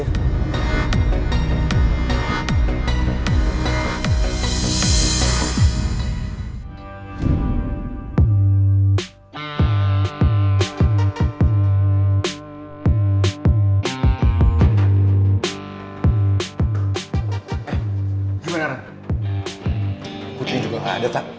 eh gimana putri juga gak ada tak